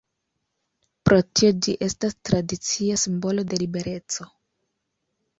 Pro tio, ĝi estas tradicia simbolo de libereco.